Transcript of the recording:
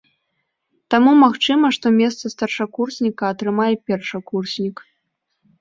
Таму магчыма, што месца старшакурсніка атрымае першакурснік.